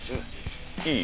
いい？